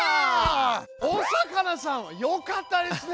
お魚さんよかったですね！